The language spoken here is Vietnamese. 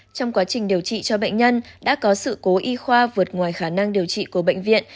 trong quá trình điều trị cho bệnh nhân đã có sự cố y khoa vượt ngoài khả năng điều trị của bệnh viện